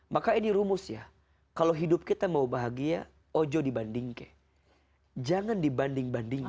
maka ini rumus ya kalau hidup kita mau bahagia ojo dibanding ke jangan dibanding bandingkan